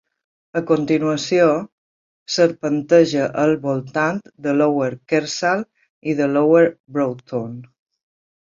A continuació, serpenteja al voltant de Lower Kersal i de Lower Broughton.